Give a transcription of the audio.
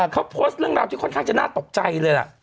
เขาพลอดเรื่องราวที่น่าตกใจเลย